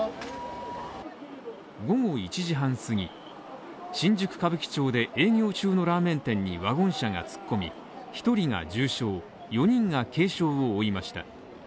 午後、１時半すぎ、新宿歌舞伎町で営業中のラーメン店にワゴン車が突っ込み、１人が重傷、４人が軽傷を負いました。